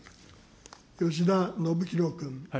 吉田宣弘君。